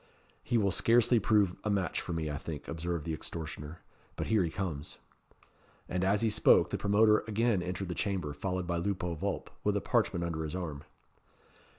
"He will scarcely prove a match for me, I think," observed the extortioner "but here he comes." And as he spoke, the promoter again entered the chamber, followed by Lupo Vulp, with a parchment under his arm.